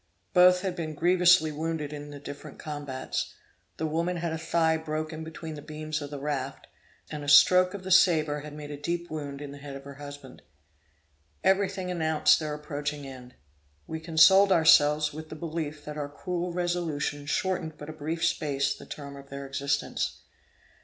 Both had been grievously wounded in the different combats. The woman had a thigh broken between the beams of the raft, and a stroke of a sabre had made a deep wound in the head of her husband. Every thing announced their approaching end. We consoled ourselves with the belief that our cruel resolution shortened but a brief space the term of their existence.